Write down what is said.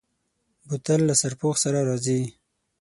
بوتل له سرپوښ سره راځي.